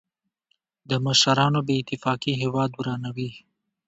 د مشرانو بې اتفاقي هېواد ورانوي.